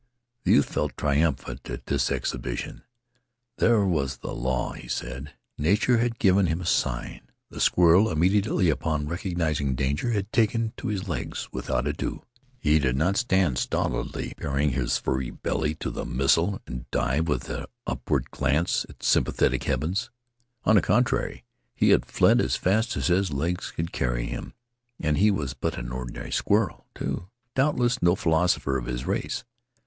The youth felt triumphant at this exhibition. There was the law, he said. Nature had given him a sign. The squirrel, immediately upon recognizing danger, had taken to his legs without ado. He did not stand stolidly baring his furry belly to the missile, and die with an upward glance at the sympathetic heavens. On the contrary, he had fled as fast as his legs could carry him; and he was but an ordinary squirrel, too doubtless no philosopher of his race.